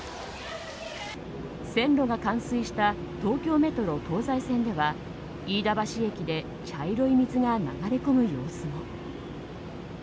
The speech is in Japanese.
線路が冠水した東京メトロの東西線では飯田橋駅で茶色い水が流れ込む様子も。